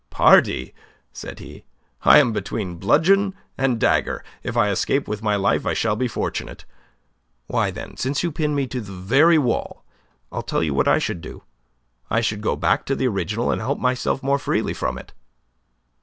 "Pardi!" said he. "I am between bludgeon and dagger. If I escape with my life, I shall be fortunate. Why, then, since you pin me to the very wall, I'll tell you what I should do. I should go back to the original and help myself more freely from it."